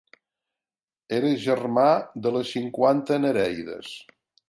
Era germà de les cinquanta nereides.